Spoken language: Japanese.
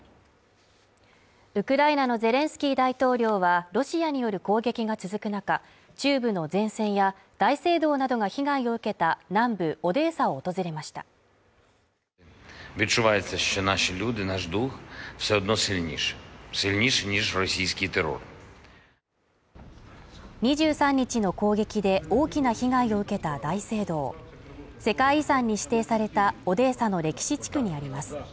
ウクライナのゼレンスキー大統領はロシアによる攻撃が続く中中部の前線や大聖堂などが被害を受けた南部オデーサを訪れました２３日の攻撃で大きな被害を受けた大聖堂世界遺産に指定されたオデーサの歴史地区にあります